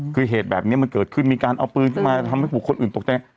คือเหตุแบบนี้มันเกิดขึ้นมีการเอาปืนขึ้นมาทำให้บุคคลอื่นตกใจ